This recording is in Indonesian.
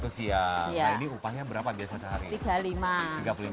nah ini upahnya berapa biasa sehari